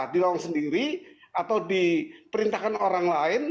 dilawang sendiri atau diperintahkan orang lain